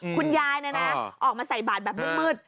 คุณยายออกมาใส่บาทแบบมืด